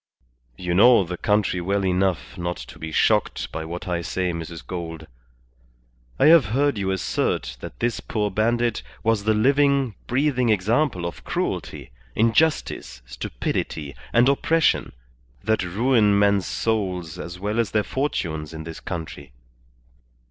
You know the country well enough not to be shocked by what I say, Mrs. Gould. I have heard you assert that this poor bandit was the living, breathing example of cruelty, injustice, stupidity, and oppression, that ruin men's souls as well as their fortunes in this country.